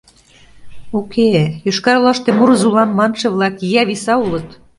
Уке, Йошкар-Олаште мурызо улам манше-влак ия виса улыт.